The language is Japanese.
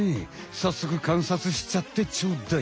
さっそくかんさつしちゃってちょうだい！